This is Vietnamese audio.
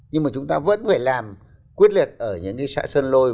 nhưng mà chúng ta vẫn phải làm quyết liệt ở những cái xã sơn lôi